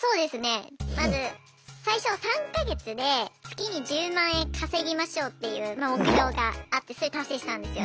まず最初３か月で月に１０万円稼ぎましょうっていう目標があってそれ達成したんですよ。